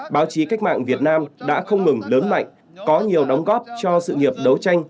báo chí cách mạng việt nam đã không ngừng lớn mạnh có nhiều đóng góp cho sự nghiệp đấu tranh